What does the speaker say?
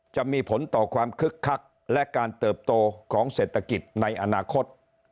จะมีผลต่อความคึกคักและการเติบโตของเศรษฐกิจในอนาคต